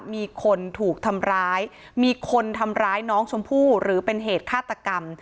มีคนถูกทำร้ายมีคนทำร้ายน้องชมพู่หรือเป็นเหตุฆาตกรรม